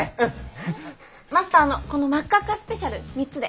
マスターあのこの「真っ赤っ赤っスペシャル」３つで。